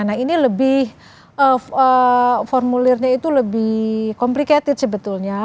nah ini lebih formulirnya itu lebih complicated sebetulnya